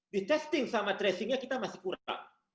di testing sama tracingnya kita masih kurang